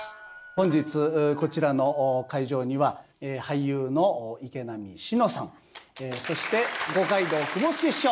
本日こちらの会場には俳優の池波志乃さんそして五街道雲助師匠。